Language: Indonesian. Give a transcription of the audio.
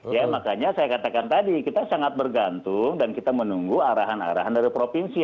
ya makanya saya katakan tadi kita sangat bergantung dan kita menunggu arahan arahan dari provinsi